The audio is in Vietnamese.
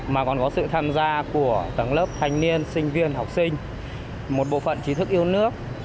mà còn có sự tham gia của tầng lớp thanh niên sinh viên học sinh một bộ phận trí thức yêu nước